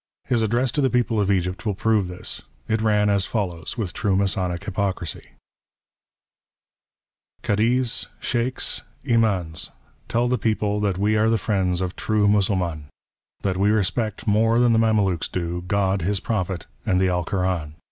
His address to the people of Egypt will prove this. It ran as follows, with true Masonic hypocrisy :—" Cadis, Chieks, Imans, tell the people that we are the friends " of true Mussulman ; that we respect more than the Mamelukes " do, God, His Prophet, and the Alkoran.